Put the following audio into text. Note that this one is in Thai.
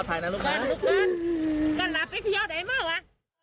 พี่ป๋อง